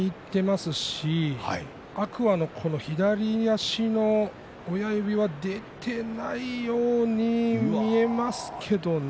天空海の左足の親指が出ていないように見えました。